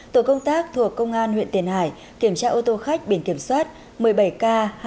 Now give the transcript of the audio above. tổ công tác thuộc công an huyện tiền hải kiểm tra ô tô khách biển kiểm soát một mươi bảy k hai nghìn ba trăm tám mươi sáu